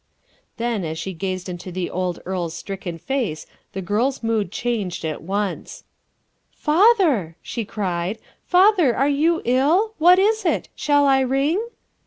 Then as she gazed into the old earl's stricken face, the girl's mood changed at once. "Father," she cried, "father, are you ill? What is it? Shall I ring?"